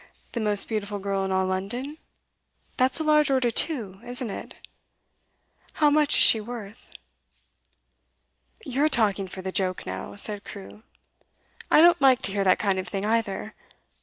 The most beautiful girl in all London? That's a large order, too, isn't it? How much is she worth?' 'You're talking for the joke now,' said Crewe. 'I don't like to hear that kind of thing, either.